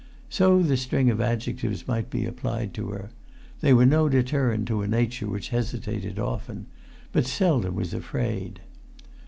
So the string of adjectives might be applied to her; they were no deterrent to a nature which hesitated often, but seldom was afraid.